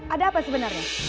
ada apa sebenarnya